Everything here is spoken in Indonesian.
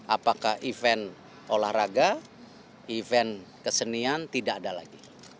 apakah event olahraga event kesenian tidak ada lagi